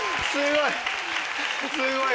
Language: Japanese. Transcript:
すごい！